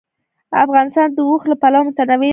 افغانستان د اوښ له پلوه متنوع دی.